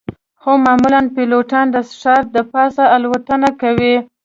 خو معمولاً پیلوټان د ښار د پاسه الوتنه کوي